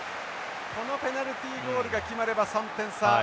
このペナルティゴールが決まれば３点差。